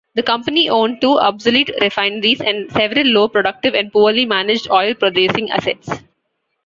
The company owned two obsolete refineries and several low-productive and poorly managed oil-producing assets.